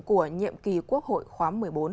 của nhiệm kỳ quốc hội khóa một mươi bốn